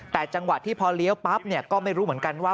แต่จังหวะที่พอเลี้ยวปั๊บก็ไม่รู้เหมือนกันว่า